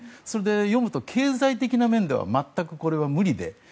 読むと、経済的な面ではこれは全く無理で。